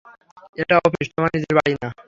এটা অফিস, তোমার নিজের বাড়ি না।